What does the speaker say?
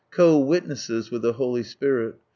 Co witnesses with the Holy Spirit.